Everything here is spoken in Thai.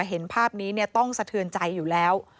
เห็นภาพนี้ต้องสะเทือนใจอยู่แล้ว